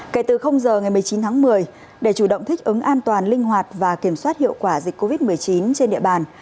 kể từ giờ ngày một mươi chín tháng một mươi để chủ động thích ứng an toàn linh hoạt và kiểm soát hiệu quả dịch covid một mươi chín trên địa bàn